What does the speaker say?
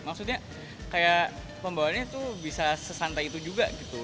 maksudnya kayak pembawanya tuh bisa sesantai itu juga gitu